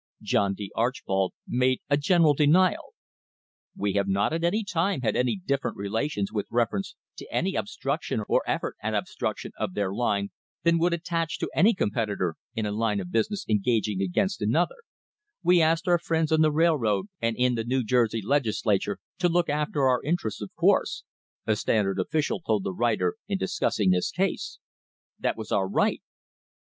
John D. Archbold made a "general denial": "We have not at any time had any different relations with reference to any obstruction or effort at obstruction of their line than would attach to any competitor in a line of business engaging against another" * "We asked our friends on the railroad and in the New Jersey Legislature to look after our interests, of course," a Standard official told the writer in discussing this case. "That was our right."